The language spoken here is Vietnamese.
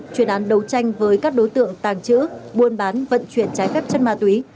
chuyên án đấu tranh với các đối tượng tàng trữ buôn bán vận chuyển trái phép chất ma túy